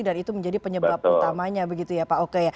dan itu menjadi penyebab utamanya begitu ya pak oke